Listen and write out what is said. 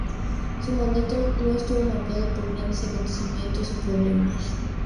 Su mandato no estuvo marcado por grandes acontecimientos o problemas.